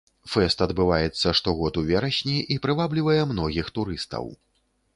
Фэст адбываецца штогод у верасні і прываблівае многіх турыстаў.